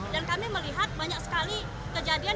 dan kami melihat banyak sekali kejadian